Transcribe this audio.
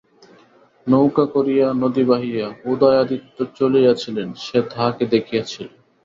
নৌকা করিয়া নদী বাহিয়া উদয়াদিত্য চলিয়াছিলেন, সে তাঁহাকে দেখিয়াছিল।